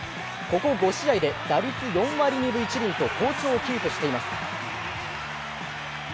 ここ５試合で打率４割２分１厘と好調をキープしています。